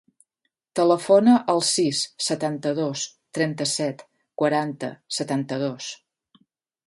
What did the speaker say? Telefona al sis, setanta-dos, trenta-set, quaranta, setanta-dos.